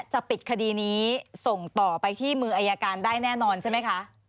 จะปิดคดีนี้ส่งต่อไปที่มืออายการได้แน่นอนใช่ไหมคะ